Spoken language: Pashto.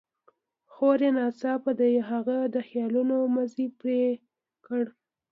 خور يې ناڅاپه د هغه د خيالونو مزی پرې کړ.